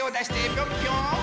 ぴょんぴょん！